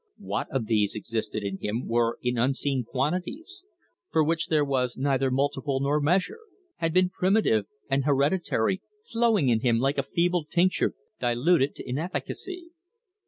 What of these existed in him were in unseen quantities for which there was neither multiple nor measure had been primitive and hereditary, flowing in him like a feeble tincture diluted to inefficacy.